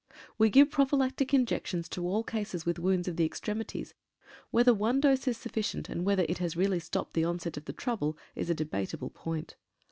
We give prophylactic injections to all cases with wounds of the extremities, whether one dose is sufficient, and whether it has really stopped the onset of the trouble, is a debatable point.